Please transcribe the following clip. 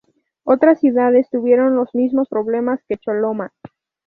Otras ciudades tuvieron los mismos problemas que Choloma.